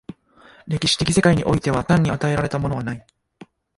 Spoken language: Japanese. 歴史的世界においては単に与えられたものはない。